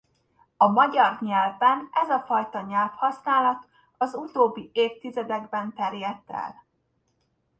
A magyar nyelvben ez a fajta nyelvhasználat az utóbbi évtizedekben terjedt el.